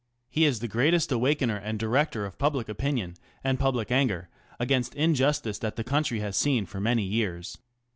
He is the greatest awakener and director of public opinion and public anger against inju tice thai the country has seen for many years.